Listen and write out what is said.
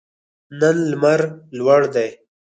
نن لمر لوړ دی